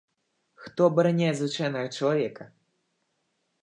Хто абараняе звычайнага чалавека?